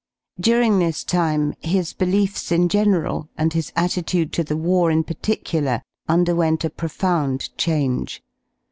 During this time his beliefs in general and his attitude to the war in particular underwent a profound change.